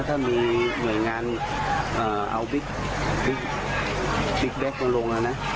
ถ้ามีเหนื่อยงานเอาบิ๊กแบ็คมาลงแล้วนะ